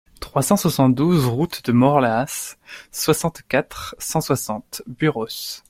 trois cent soixante-douze route de Morlaàs, soixante-quatre, cent soixante, Buros